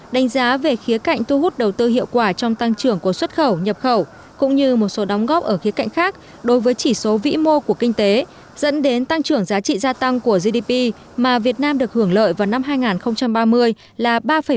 đánh giá về khía cạnh thu hút đầu tư hiệu quả trong tăng trưởng của xuất khẩu nhập khẩu cũng như một số đóng góp ở khía cạnh khác đối với chỉ số vĩ mô của kinh tế dẫn đến tăng trưởng giá trị gia tăng của gdp mà việt nam được hưởng lợi vào năm hai nghìn ba mươi là ba bảy